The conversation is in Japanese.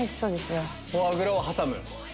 フォアグラを挟む。